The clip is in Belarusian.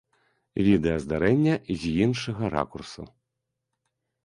Відэа здарэння з іншага ракурсу.